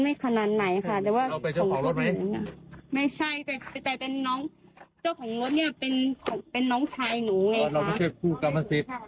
ไม่ใช่ได้ยังไงค่ะ